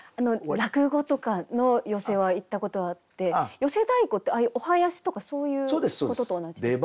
落語とかの寄席は行ったことはあって寄席太鼓ってああいうお囃子とかそういうことと同じですか？